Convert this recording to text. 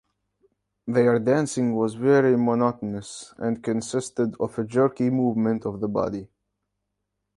Their dancing was very monotonous and consisted of a jerky movement of the body.